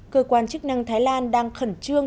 cơ quan chức năng thái lan đang khẩn trương